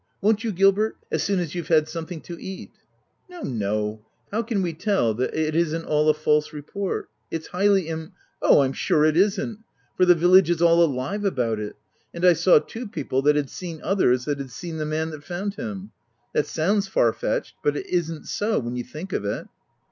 Won't you Gilbert— as soon as you've had something to eat ?" 248 THE TENANT " No, no— How can we tell that it isn't all a false report ? It's highly im " "Oh, Fm sure it isn't; for the village is all alive about it ; and I saw two people that had seen others that had seen the man that found him. That sounds far, fetched ; but it isn't so, when you think of it."